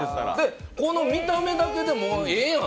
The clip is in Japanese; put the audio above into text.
この見た目だけでもええやん。